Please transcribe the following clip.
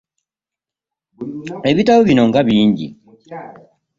Ebitabo bino nga bingi?